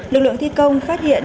lực lượng thi công phát hiện